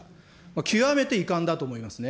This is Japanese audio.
極めて遺憾だと思いますね。